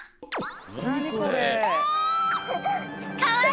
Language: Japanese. なにこれ？